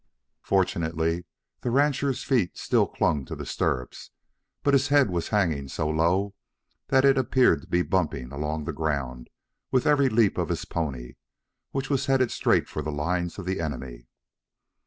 Fortunately the rancher's feet still clung to the stirrups, but his head was hanging so low that it appeared to be bumping along the ground with every leap of his pony, which was headed straight for the lines of the enemy.